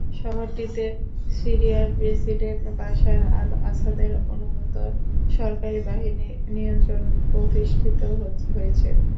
শহরটিতে সিরিয়ার president Bashar আল-আসাদের অনুগত সরকারি বাহিনীর নিয়ন্ত্রণ প্রতিষ্ঠিত হয়েছে।